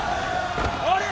あれ！